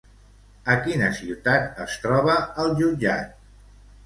A quina ciutat es troba el jutjat?